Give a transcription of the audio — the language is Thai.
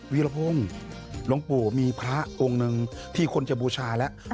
ีรพงศ์หลวงปู่มีพระองค์หนึ่งที่คนจะบูชาแล้ว